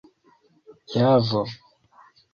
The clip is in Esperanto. javo